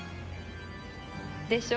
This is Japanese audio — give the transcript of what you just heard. でしょ？